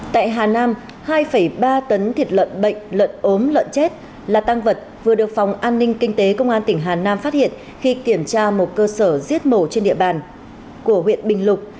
tại hà nam hai ba tấn thịt lợn bệnh lợn ốm lợn chết là tăng vật vừa được phòng an ninh kinh tế công an tỉnh hà nam phát hiện khi kiểm tra một cơ sở giết mổ trên địa bàn của huyện bình lục